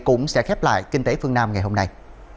cũng sẽ khép lại kinh tế phương nam ngày hôm nay